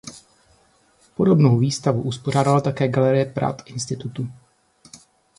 Podobnou výstavu uspořádala také galerie "Pratt Institutu".